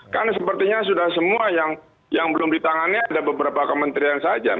karena sepertinya sudah semua yang belum ditangani ada beberapa kementerian saja